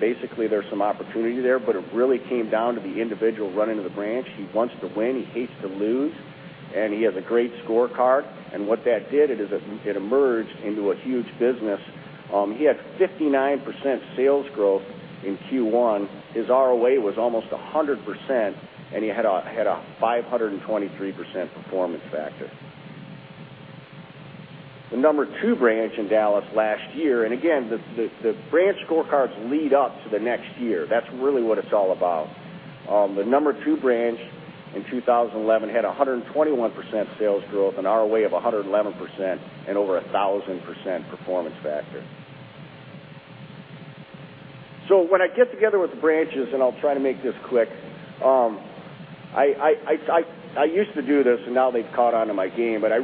Basically, there's some opportunity there, but it really came down to the individual running of the branch. He wants to win. He hates to lose. He had a great scorecard. What that did is it emerged into a huge business. He had 59% sales growth in Q1. His ROA was almost 100%, and he had a 523% performance factor. The number two branch in Dallas last year, and again, the branch scorecards lead up to the next year. That's really what it's all about. The number two branch in 2011 had 121% sales growth, an ROA of 111%, and over 1,000% performance factor. When I get together with the branches, I'll try to make this quick. I used to do this, and now they've caught on to my game. I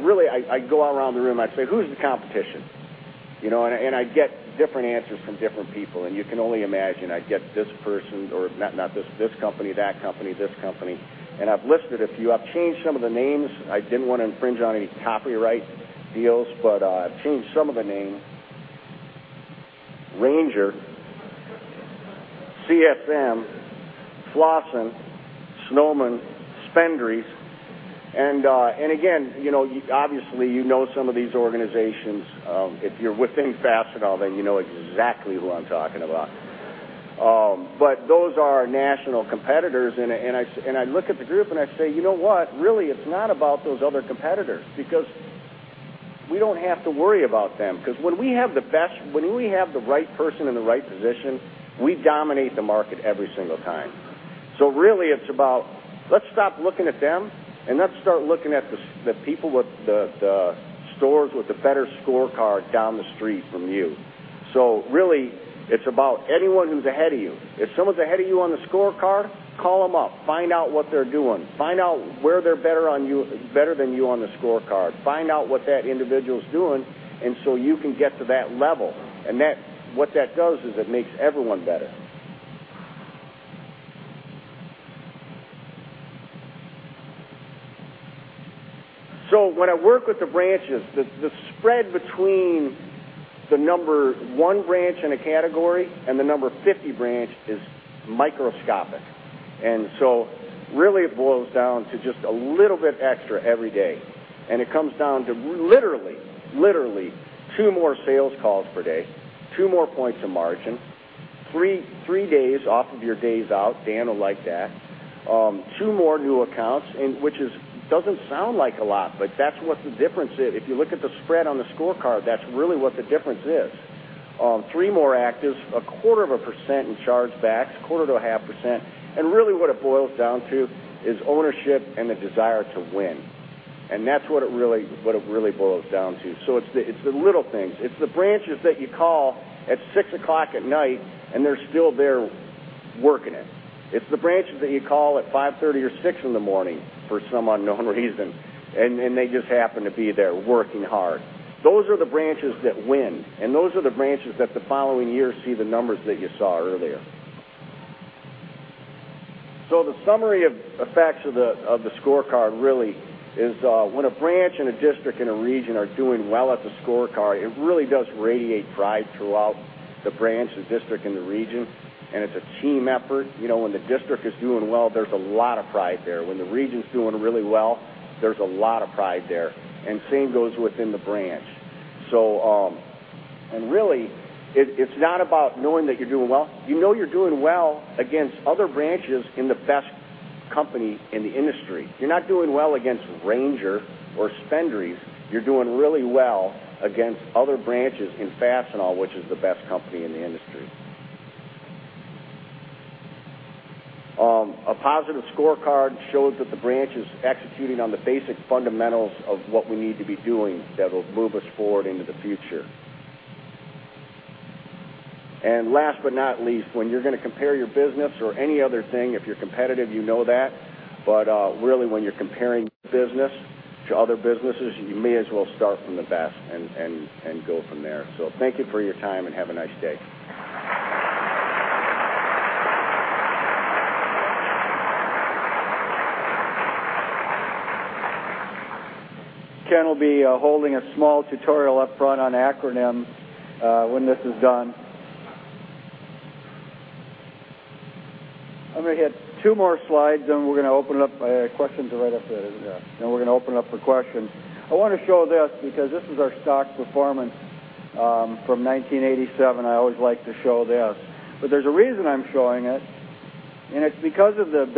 go out around the room and I say, "Who's the competition?" I get different answers from different people. You can only imagine, I get this person, or this company, that company, this company. I've listed a few. I've changed some of the names. I didn't want to infringe on any copyright deals, but I've changed some of the names: Ranger, CFM, Flossen, Snowman, Spendriz. Obviously, you know some of these organizations. If you're within Fastenal, then you know exactly who I'm talking about. Those are national competitors. I look at the group and I say, "You know what? Really, it's not about those other competitors because we don't have to worry about them." When we have the best, when we have the right person in the right position, we dominate the market every single time. Really, it's about, "Let's stop looking at them and let's start looking at the people with the stores with the better scorecard down the street from you." Really, it's about anyone who's ahead of you. If someone's ahead of you on the scorecard, call them up. Find out what they're doing. Find out where they're better than you on the scorecard. Find out what that individual's doing so you can get to that level. What that does is it makes everyone better. When I work with the branches, the spread between the number one branch in a category and the number 50 branch is microscopic. It boils down to just a little bit extra every day. It comes down to literally two more sales calls per day, two more points of margin, three days off of your days out. Dan will like that. Two more new accounts, which doesn't sound like a lot, but that's what the difference is. If you look at the spread on the scorecard, that's really what the difference is. Three more actives, a quarter of a percent in chargebacks, a quarter to a half percent. What it boils down to is ownership and the desire to win. That's what it really boils down to. It's the little things. It's the branches that you call at 6:00 P.M. and they're still there working it. It's the branches that you call at 5:30 A.M. or 6:00 A.M. for some unknown reason, and they just happen to be there working hard. Those are the branches that win. Those are the branches that the following year see the numbers that you saw earlier. The summary of effects of the scorecard really is when a branch in a district in a region are doing well at the scorecard, it really does radiate pride throughout the branch, the district, and the region. It's a team effort. When the district is doing well, there's a lot of pride there. When the region's doing really well, there's a lot of pride there. The same goes within the branch. It's not about knowing that you're doing well. You know you're doing well against other branches in the best company in the industry. You're not doing well against Ranger or Spendriz. You're doing really well against other branches in Fastenal, which is the best company in the industry. A positive scorecard shows that the branch is executing on the basic fundamentals of what we need to be doing that'll move us forward into the future. Last but not least, when you're going to compare your business or any other thing, if you're competitive, you know that. When you're comparing business to other businesses, you may as well start from the best and go from there. Thank you for your time and have a nice day. Ken will be holding a small tutorial up front on acronym when this is done. I'm going to hit two more slides, and we're going to open it up. I have questions right after that, and we're going to open it up for questions. I want to show this because this is our stock performance from 1987. I always like to show this, but there's a reason I'm showing it, and it's because of the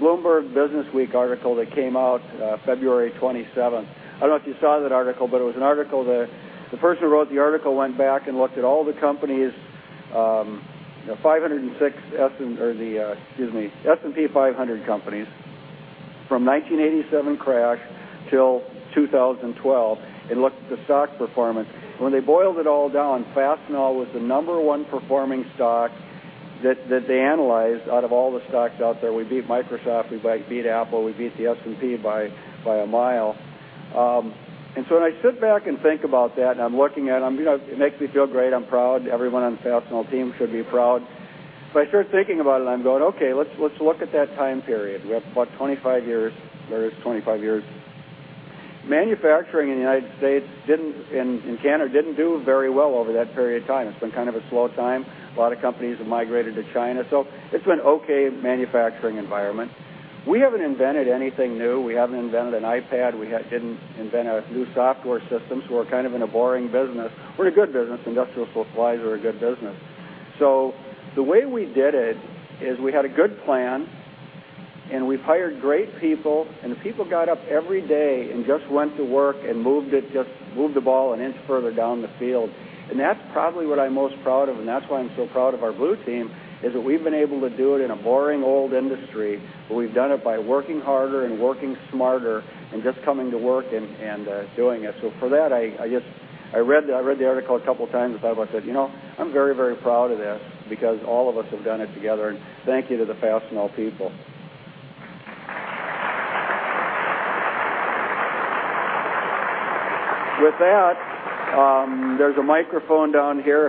Bloomberg Businessweek article that came out February 27. I don't know if you saw that article, but it was an article that the person who wrote the article went back and looked at all the companies, you know, 506 S&P 500 companies from the 1987 crash till 2012 and looked at the stock performance. When they boiled it all down, Fastenal was the number one performing stock that they analyzed out of all the stocks out there. We beat Microsoft. We beat Apple. We beat the S&P by a mile. When I sit back and think about that, and I'm looking at it, it makes me feel great. I'm proud. Everyone on the Fastenal team should be proud. I start thinking about it, and I'm going, "Okay, let's look at that time period. We have about 25 years." There is 25 years. Manufacturing in the United States and Canada didn't do very well over that period of time. It's been kind of a slow time. A lot of companies have migrated to China. It's been an okay manufacturing environment. We haven't invented anything new. We haven't invented an iPad. We didn't invent a new software system. We're kind of in a boring business. We're in a good business. Industrial supplies are a good business. The way we did it is we had a good plan, and we've hired great people. If people got up every day and just went to work and moved it, just moved the ball an inch further down the field. That's probably what I'm most proud of, and that's why I'm so proud of our blue team, is that we've been able to do it in a boring old industry, but we've done it by working harder and working smarter and just coming to work and doing it. For that, I just, I read the article a couple of times and thought about that. I'm very, very proud of that because all of us have done it together. Thank you to the Fastenal people. With that, there's a microphone down here.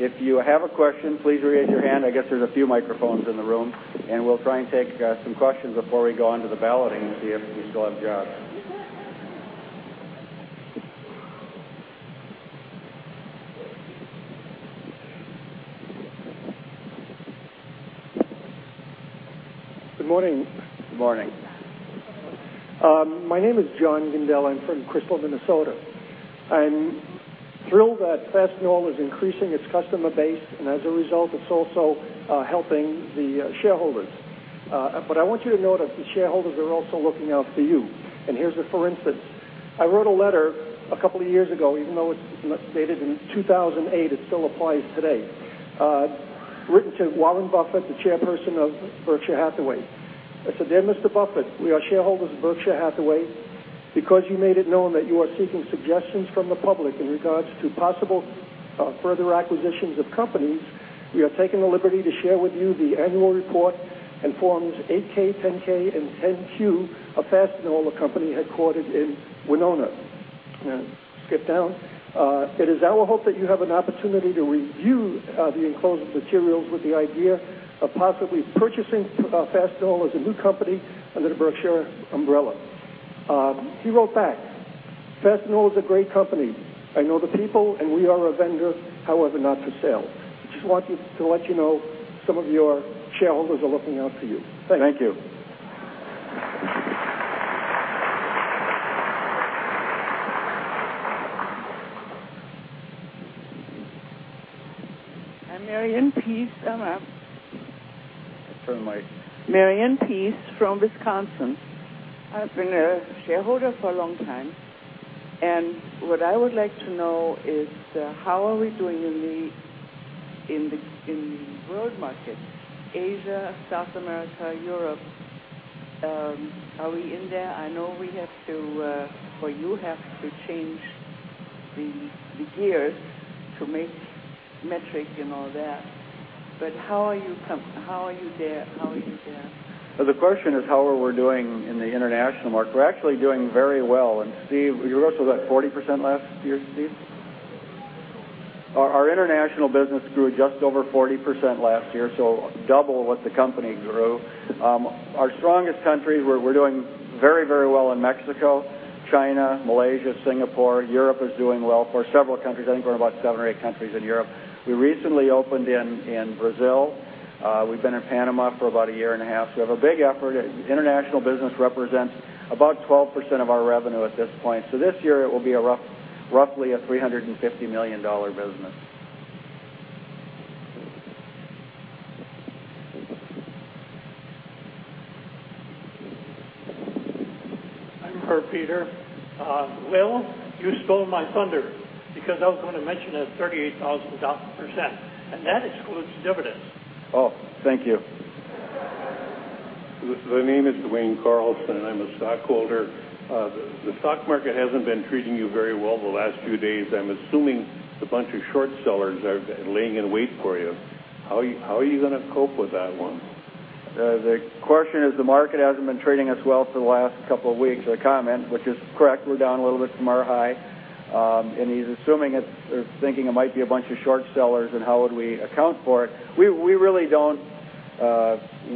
If you have a question, please raise your hand. I guess there's a few microphones in the room, and we'll try and take some questions before we go on to the ballot and see if these go on jobs. Good morning. Morning. My name is John Gindel. I'm from Crystal, Minnesota. I'm thrilled that Fastenal is increasing its customer base, and as a result, it's also helping the shareholders. I want you to know that the shareholders are also looking out for you. Here's a for instance. I wrote a letter a couple of years ago, even though it's dated in 2008, it still applies today, written to Warren Buffett, the Chairperson of Berkshire Hathaway. I said, "Dear Mr. Buffett, we are shareholders of Berkshire Hathaway. Because you made it known that you are seeking suggestions from the public in regards to possible further acquisitions of companies, we have taken the liberty to share with you the annual report and forms 8-K, 10-K, and 10-Q of Fastenal, a company headquartered in Winona." Now, skip down. "It is our hope that you have an opportunity to review the enclosed materials with the idea of possibly purchasing Fastenal as a new company under the Berkshire umbrella." She wrote back, "Fastenal is a great company. I know the people, and we are a vendor, however, not for sale. I just want to let you know some of your shareholders are looking out for you. Thank you. I'm Mary Ann Peace. I'm a... Let's turn the mic. Mary Ann Peace from Wisconsin. I've been a shareholder for a long time. What I would like to know is how are we doing in the world market? Asia, South America, Europe. Are we in there? I know you have to change the gears to make metric and all that. How are you there? How are you there? The question is how are we doing in the international market? We're actually doing very well. Steve, yours was at 40% last year, Steve? Our international business grew just over 40% last year, double what the company grew. Our strongest countries, we're doing very, very well in Mexico, China, Malaysia, Singapore. Europe is doing well for several countries. I think we're in about seven or eight countries in Europe. We recently opened in Brazil. We've been in Panama for about a year and a half. We have a big effort. International business represents about 12% of our revenue at this point. This year, it will be roughly a $350 million business. I'm Herb Peter. Will, you stole my thunder because I was going to mention that 38,000%. That excludes dividends. Oh, thank you. The name is Dwayne Carlson, and I'm a stockholder. The stock market hasn't been treating you very well the last two days. I'm assuming a bunch of short sellers are laying in wait for you. How are you going to cope with that one? The question is the market hasn't been trading as well the last couple of weeks, the comment, which is correct. We're down a little bit from our high. He's assuming it's thinking it might be a bunch of short sellers, and how would we account for it? We really don't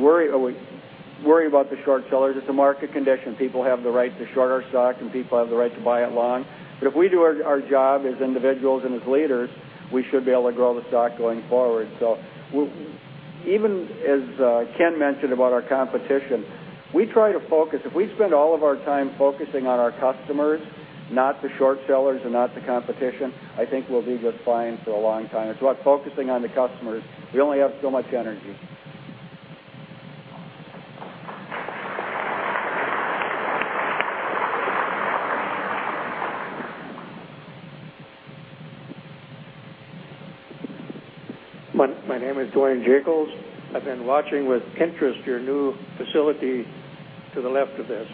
worry about the short sellers. It's a market condition. People have the right to short our stock, and people have the right to buy it long. If we do our job as individuals and as leaders, we should be able to grow the stock going forward. As Ken mentioned about our competition, we try to focus. If we spend all of our time focusing on our customers, not the short sellers and not the competition, I think we'll be just fine for a long time. It's about focusing on the customers. We only have so much energy. My name is Dwayne Jacobs. I've been watching with interest your new facility to the left of this.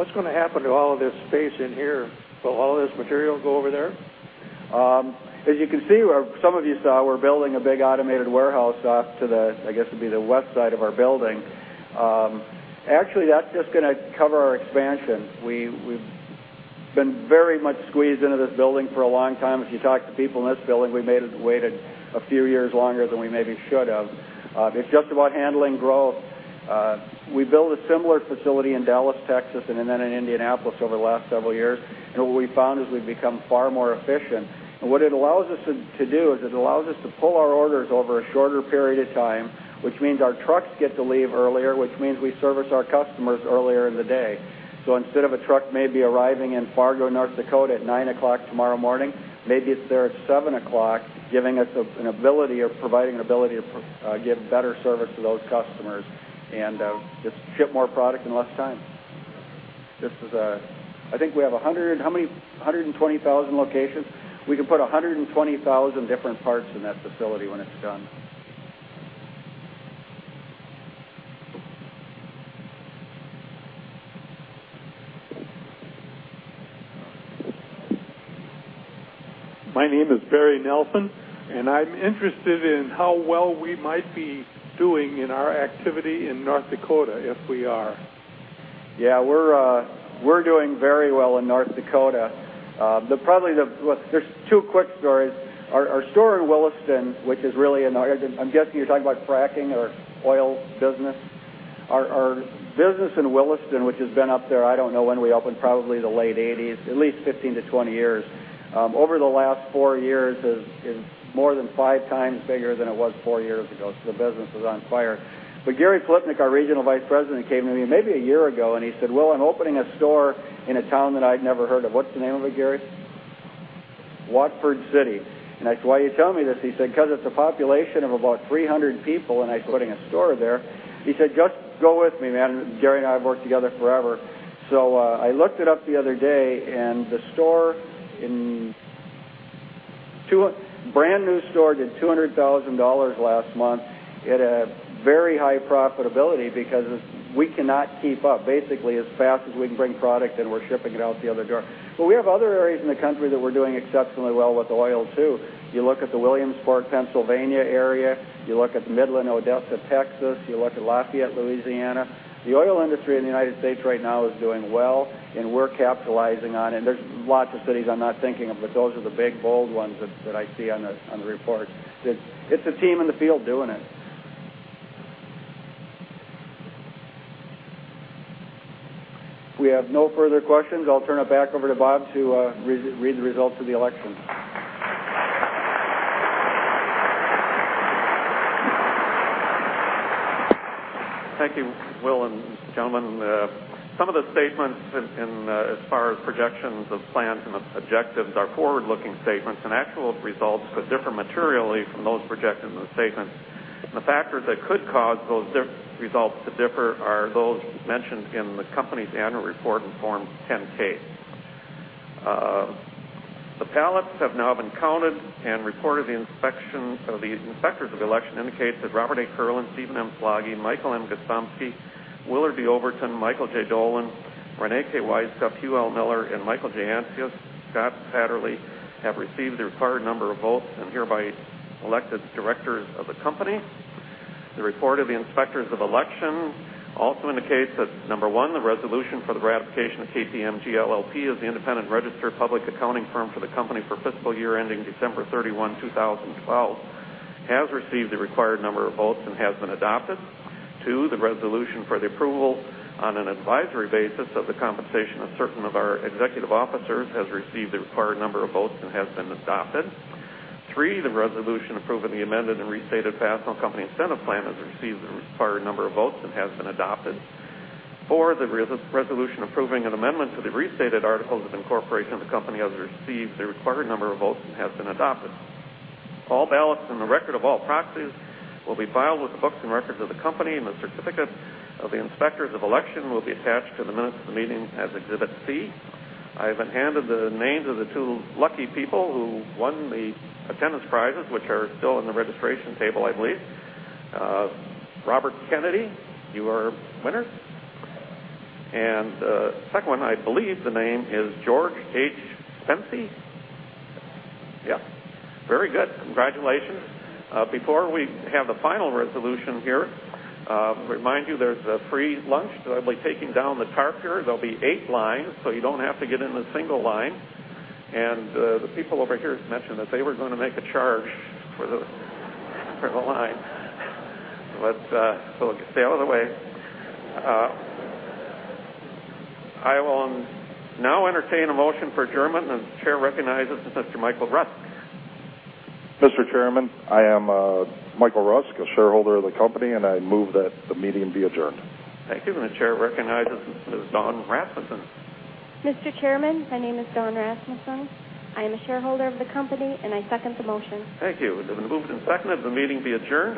What's going to happen to all of this space in here? Will all of this material go over there? As you can see, some of you saw we're building a big automated warehouse off to the, I guess it'd be the west side of our building. Actually, that's just going to cover our expansion. We've been very much squeezed into this building for a long time. If you talk to people in this building, we waited a few years longer than we maybe should have. It's just about handling growth. We built a similar facility in Dallas, Texas, and then in Indianapolis over the last several years. What we found is we've become far more efficient. What it allows us to do is it allows us to pull our orders over a shorter period of time, which means our trucks get to leave earlier, which means we service our customers earlier in the day. Instead of a truck maybe arriving in Fargo, North Dakota, at 9:00 A.M. tomorrow morning, maybe it's there at 7:00 A.M., giving us an ability to give better service to those customers and just ship more product in less time. I think we have 120,000 locations. We can put 120,000 different parts in that facility when it's done. My name is Barry Nelson, and I'm interested in how well we might be doing in our activity in North Dakota if we are. Yeah, we're doing very well in North Dakota. There are two quick stories. Our store in Williston, which is really in our, I'm guessing you're talking about fracking or oil business. Our business in Williston, which has been up there, I don't know when we opened, probably the late 1980s, at least 15 to 20 years. Over the last four years, it's more than five times bigger than it was four years ago. The business is on fire. Gary Polipnik, our Regional Vice President, came to me maybe a year ago, and he said, "Will, I'm opening a store in a town that I'd never heard of." What's the name of it, Gary? Watford City. I said, "Why are you telling me this?" He said, "Because it's a population of about 300 people, and I'm putting a store there." He said, "Just go with me, man." Gary and I have worked together forever. I looked it up the other day, and the brand new store did $200,000 last month. It had a very high profitability because we cannot keep up. Basically, as fast as we can bring product in, we're shipping it out the other door. We have other areas in the country that we're doing exceptionally well with oil too. You look at the Williamsburg, Pennsylvania area. You look at Midland Odessa, Texas. You look at Lafayette, Louisiana. The oil industry in the United States right now is doing well, and we're capitalizing on it. There are lots of cities I'm not thinking of, but those are the big bold ones that I see on the report. It's a team in the field doing it. We have no further questions. I'll turn it back over to Bob to read the results of the elections. Thank you, Will and gentlemen. Some of the statements as far as projections of plans and objectives are forward-looking statements and actual results could differ materially from those projections and statements. The factors that could cause those results to differ are those mentioned in the company's annual report in Form 10-K. The ballots have now been counted and reported to the inspection. The inspectors of the election indicate that Robert A. Kierlin, Stephen M. Slaggie, Michael M. Gostomski, Willard D. Oberton, Michael J. Dolan, Reyne K. Wisecup, Hugh L. Miller, Michael J. Ancius, and Scott A. Satterlee have received the required number of votes and are hereby elected the directors of the company. The report of the inspectors of election also indicates that, number one, the resolution for the ratification of KPMG LLP as the independent registered public accounting firm for the company for fiscal year ending December 31, 2012, has received the required number of votes and has been adopted. Two, the resolution for the approval on an advisory basis of the compensation of certain of our executive officers has received the required number of votes and has been adopted. Three, the resolution approving the amended and restated Fastenal Company Incentive Plan has received the required number of votes and has been adopted. Four, the resolution approving an amendment to the restated articles of incorporation of the company has received the required number of votes and has been adopted. All ballots and the record of all proxies will be filed with the books and records of the company, and the certificate of the inspectors of election will be attached to the minutes of the meeting as Exhibit C. I have been handed the names of the two lucky people who won the attendance prizes, which are still on the registration table, I believe. Robert Kennedy, you are a winner. The second one, I believe the name is George H. Fency. Yep. Very good. Congratulations. Before we have the final resolution here, I remind you there's a free lunch. I'll be taking down the tarp here. There will be eight lines, so you don't have to get in a single line. The people over here mentioned that they were going to make a charge for the line. We'll get that out of the way. I will now entertain a motion for adjournment, and the chair recognizes Mr. Michael Rusk. Mr. Chairman, I am Michael Rusk, a shareholder of the company, and I move that the meeting be adjourned. Thank you. The Chair recognizes Ms. Dawn Rasmussen. Mr. Chairman, my name is Dawn Rasmussen. I am a shareholder of the company, and I second the motion. Thank you. The move is seconded. The meeting be adjourned.